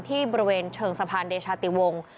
ที่บริเวณเชิงสะพานเดชาติวงศ์